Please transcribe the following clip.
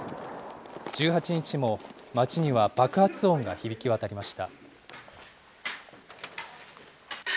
１８日も町には爆発音が響き渡りました。